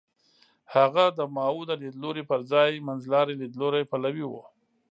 هغه د ماوو د لیدلوري پر ځای منځلاري لیدلوري پلوی و.